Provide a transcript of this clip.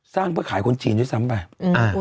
สร้างเพื่อขายคนจีนให้ซ้ำไป